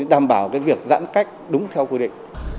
đảm bảo việc giãn cách đúng theo quy định